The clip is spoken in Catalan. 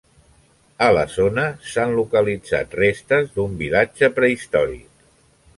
A la zona s'han localitzat restes d'un vilatge prehistòric.